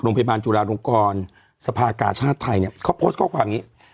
โรงพยาบาลจุฬาลงกรสภากาชาติไทยเนี่ยเขาโพสต์ข้อความอย่างนี้